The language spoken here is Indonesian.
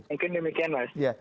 mungkin demikian mas